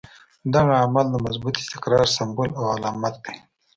دغه عمل د مضبوط استقرار سمبول او علامت دی.